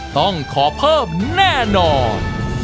ต้องขอเพิ่มแน่นอน